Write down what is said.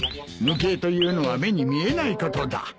「無形」というのは目に見えないことだ。